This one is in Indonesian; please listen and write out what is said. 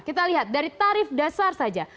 kita lihat dari tarif dasar saja